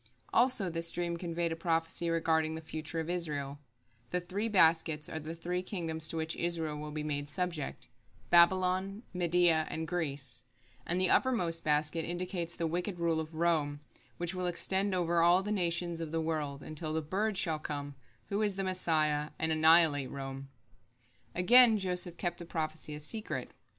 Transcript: Also this dream conveyed a prophecy regarding the future of Israel: The three baskets are the three kingdoms to which Israel will be made subject, Babylon, Media, and Greece; and the uppermost basket indicates the wicked rule of Rome, which will extend over all the nations of the world, until the bird shall come, who is the Messiah, and annihilate Rome. Again Joseph kept the prophecy a secret.